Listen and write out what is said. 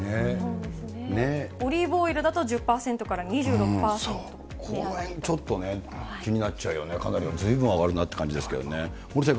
オリーブオイルだと１０％かこれはちょっとね、気になっちゃうよね、かなり、ずいぶん上がるなって感じです。